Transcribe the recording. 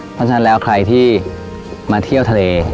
เพราะฉะนั้นแล้วใครที่มาเที่ยวทะเล